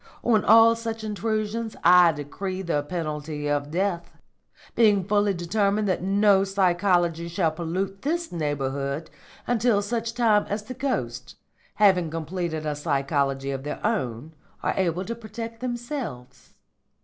On all such intrusions I decree the penalty of death, being fully determined that no psychology shall pollute this neighbourhood until such time as the ghosts, having completed a psychology of their own, are able to protect themselves.